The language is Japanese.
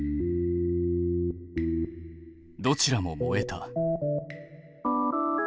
どちらも燃えた。